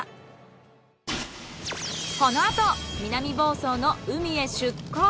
このあと南房総の海へ出航。